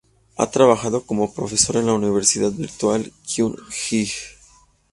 Ha trabajado como profesor en la Universidad Virtual Kyung Hee.